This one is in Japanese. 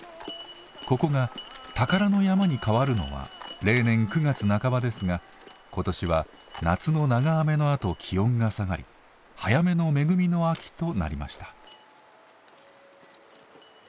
ここが宝の山に変わるのは例年９月半ばですが今年は夏の長雨のあと気温が下がり早めの恵みの秋となりました。